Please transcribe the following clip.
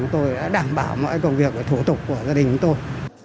tôi đã đảm bảo mọi công việc và thủ tục của gia đình chúng tôi